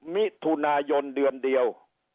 มิถุนายนเดือนเดียว